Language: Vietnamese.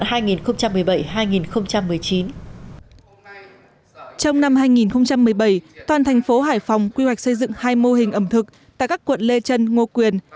trong năm hai nghìn một mươi bảy toàn thành phố hải phòng quy hoạch xây dựng hai mô hình ẩm thực tại các quận lê trân ngô quyền